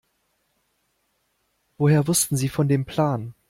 Woher wussten Sie von dem Plan?